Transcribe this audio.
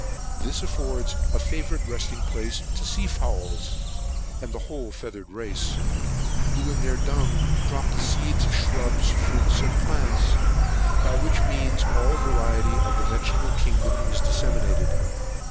This affords a favourite resting place to sea fowls, and the whole feathered race, who in their dung drop the seeds of shrubs, fruits, and plants; by which means all the variety of the vegetable kingdom is disseminated.